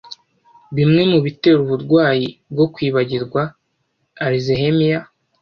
Bimwe mu bitera uburwayi bwo kwibagirwa ‘Alzheimer’